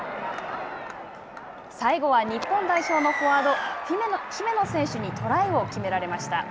最後は日本代表のフォワード姫野選手にトライを決められました。